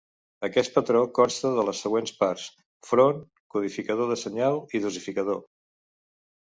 Aquest patró consta de les següents parts: font, codificador del senyal i descodificador.